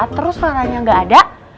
terus raranya gak ada